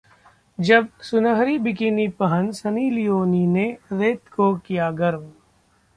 जब सुनहरी बिकिनी पहन सनी लियोन ने रेत को किया गरम...